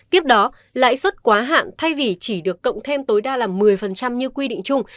tiếp đó lãi suất quá hạn thay vì chỉ được cộng thêm tối đa là một mươi như quy định chung